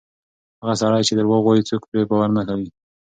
هغه سړی چې درواغ وایي، څوک پرې باور نه کوي.